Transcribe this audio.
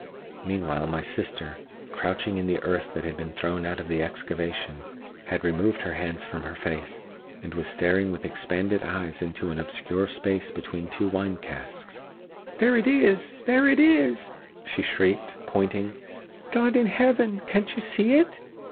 Meanwhile my sister, crouching in the earth that had been thrown out of the excavation, had removed her hands from her face and was staring with expanded eyes into an obscure space between two wine casks. "There it is!—there it is!" she shrieked, pointing; "God in heaven! can't you see it?"